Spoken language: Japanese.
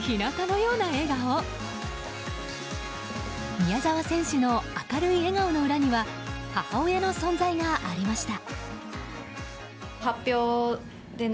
宮澤選手の明るい笑顔の裏には母親の存在がありました。